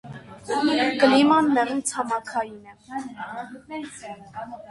Կլիման մեղմ ցամաքային է։